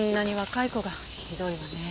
ひどいわね。